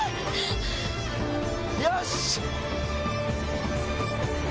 よし！